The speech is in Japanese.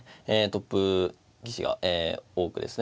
トップ棋士が多くですね